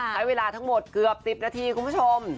ใช้เวลาทั้งหมดเกือบ๑๐นาทีคุณผู้ชม